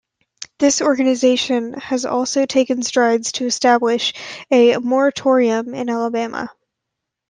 This organization has also taken strides to establish a moratorium in Alabama.